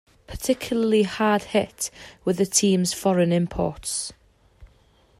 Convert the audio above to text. Particularly hard hit were the team's foreign imports.